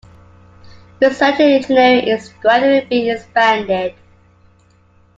Research in engineering is gradually being expanded.